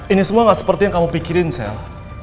ini semua gak seperti yang kamu pikirin sel